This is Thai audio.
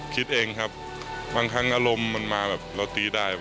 คิดเองครับบางครั้งอารมณ์มันมาแบบเราตีได้